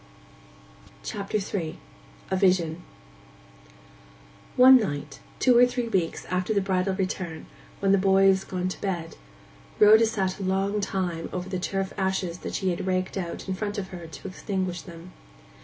CHAPTER III—A VISION One night, two or three weeks after the bridal return, when the boy was gone to bed, Rhoda sat a long time over the turf ashes that she had raked out in front of her to extinguish them.